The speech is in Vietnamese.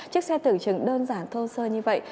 chiếc xe tưởng chừng đơn giản thô sơ như vậy